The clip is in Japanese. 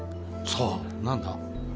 さあ何だ？